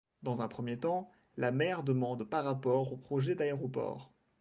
Dans un premier temps, la maire demande par rapport au projet d'aéroport.